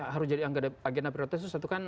harus jadi agenda prioritas itu satu kan